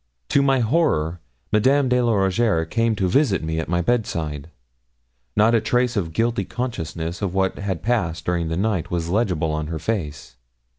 To my horror, Madame de la Rougierre came to visit me at my bedside. Not a trace of guilty consciousness of what had passed during the night was legible in her face.